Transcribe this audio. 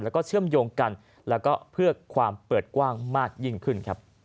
และเชื่อมโยงกันเพื่อความเปิดกว้างมากยิ่งขึ้น